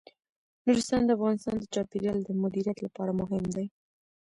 نورستان د افغانستان د چاپیریال د مدیریت لپاره مهم دي.